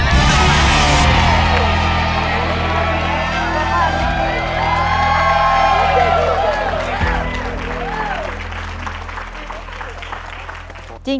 ผูกครับ